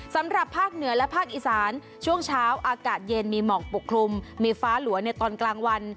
สำหรับภาคเหนือและภาคอีสานช่วงเช้าอากาศเย็นมีหมอกปกคลุมมีฟ้าหลัวในตอนกลางวัน